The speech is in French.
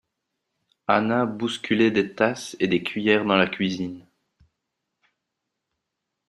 Anna bousculait des tasses et des cuillères dans la cuisine.